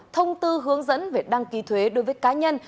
thông tư hướng dẫn về đăng ký thuế đối với cá nhân